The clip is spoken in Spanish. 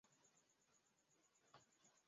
El juego se compone de cinco misiones.